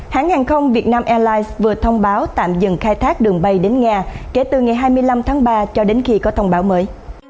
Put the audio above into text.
hãng hàng không việt nam airlines vừa thông báo tạm dừng khai thác đường bay đến nga kể từ ngày hai mươi năm tháng ba cho đến khi có thông báo mới